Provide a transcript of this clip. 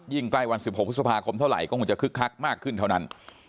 ใกล้วัน๑๖พฤษภาคมเท่าไหร่ก็คงจะคึกคักมากขึ้นเท่านั้น